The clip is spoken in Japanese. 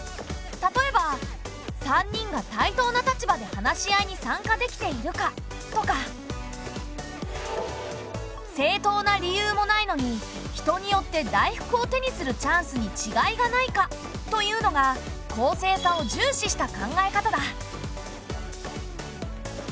例えば「３人が対等な立場で話し合いに参加できているか」とか「正当な理由もないのに人によって大福を手にするチャンスにちがいがないか」というのが公正さを重視した考え方だ。